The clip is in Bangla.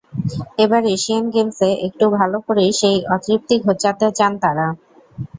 এবার এশিয়ান গেমসে একটু ভালো করেই সেই অতৃপ্তি ঘোচাতে চান তাঁরা।